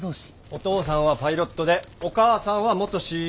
お父さんはパイロットでお母さんは元ＣＡ。